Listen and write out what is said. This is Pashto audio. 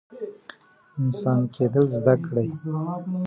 انسان کیدل زده کړئ